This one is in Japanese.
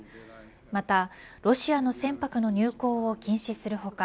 またロシアの船舶の入港を禁止する他